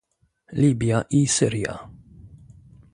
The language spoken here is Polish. Libia i Syria